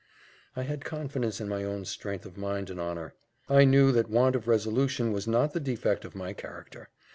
I had confidence in my own strength of mind and honour; I knew that want of resolution was not the defect of my character.